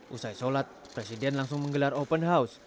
usai sholat presiden langsung menggelar open house